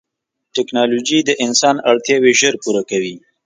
ټکنالوجي د انسان اړتیاوې ژر پوره کوي.